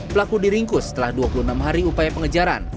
pelaku diringkus setelah dua puluh enam hari upaya pengejaran